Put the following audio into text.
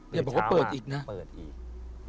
อย่าบอกว่าเปิดอีกนะ